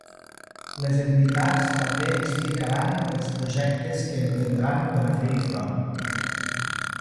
Les entitats també explicaran els projectes que emprendran per a fer-hi front.